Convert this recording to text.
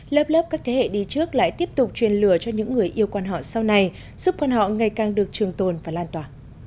lớp lớp các thế hệ đi trước lại tiếp tục truyền lửa cho những người yêu quan họ sau này giúp con họ ngày càng được trường tồn và lan tỏa